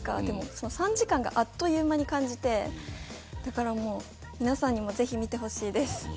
その３時間があっという間に感じて皆さんにもぜひ見てほしいです。